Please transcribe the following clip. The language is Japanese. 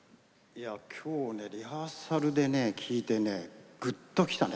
今日リハーサルで聴いてぐっときたね。